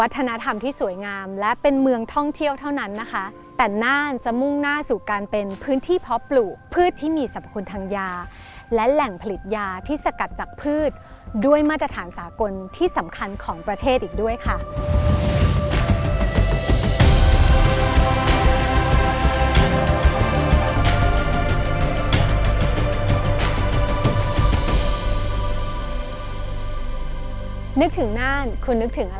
การเป็นพื้นที่เพาะปลูกพืชที่มีสรรพคุณทางยาและแหล่งผลิตยาที่สกัดจากพืชด้วยมาตรฐานสากลที่สำคัญของประเทศอีกด้วยค่ะนึกถึงน่านคุณนึกถึงอะไรคะ